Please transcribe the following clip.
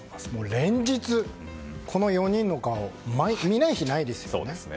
連日、この４人の顔見ない日ないですよね。